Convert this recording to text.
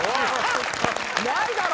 ないだろ。